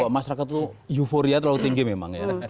masyarakat itu euforia terlalu tinggi memang ya